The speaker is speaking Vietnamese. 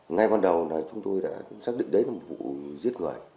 ngay văn đầu chúng tôi đã xác định đấy là một vụ giết người